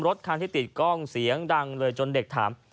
รถคันที่ติดกล้องเสียงดังเลยจนเด็กถาม